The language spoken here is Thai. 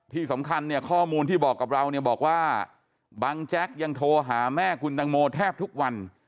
ที่สำคัญข้อมูลที่บอกกับเราบอกว่าบังแจ็คยังโทรหาแม่คุณแตงโมแทบทุกวัน